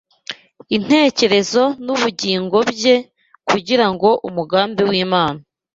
intekerezo n’ubugingo bye kugira ngo umugambi w’Imana